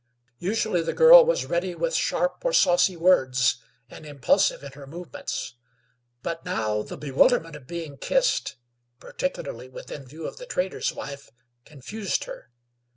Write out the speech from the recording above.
Usually the girl was ready with sharp or saucy words and impulsive in her movements; but now the bewilderment of being kissed, particularly within view of the trader's wife, confused her.